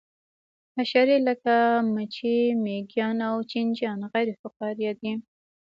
حشرې لکه مچۍ مېږیان او چینجیان غیر فقاریه دي